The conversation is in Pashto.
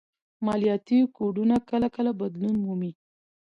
مالياتي کوډونه کله کله بدلون مومي